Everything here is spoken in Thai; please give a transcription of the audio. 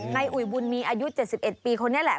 อุ๋ยบุญมีอายุ๗๑ปีคนนี้แหละ